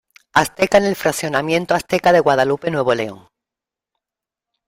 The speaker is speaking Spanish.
Azteca en el Fraccionamiento Azteca de Guadalupe Nuevo León.